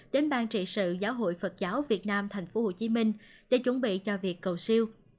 đến bang trị sự giáo hội phật giáo việt nam thành phố hồ chí minh để chuẩn bị cho việc cầu siêu